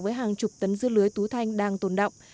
với hàng chục tấn dưa lưới tú thanh đang tồn động